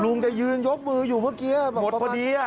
ลุงจะยืนยกมืออยู่เมื่อกี้หมดพอดีอ่ะ